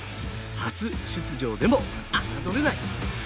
初出場でも侮れない。